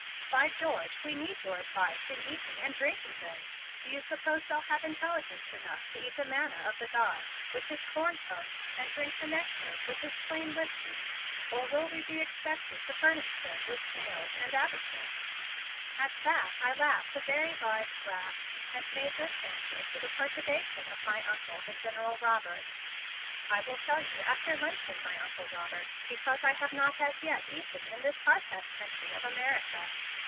By George, sir, we need your advice in eating and drinking them! Do you suppose they'll have intelligence enough to eat the manna of the gods, which is corn pone, and drink the nectar, which is plain whiskey, or will we be expected to furnish them with snails and absinthe?" At that I laughed a very large laugh and made this answer to the perturbation of my Uncle, the General Robert: "I will tell you after luncheon, my Uncle Robert, because I have not as yet eaten in this Harpeth country of America."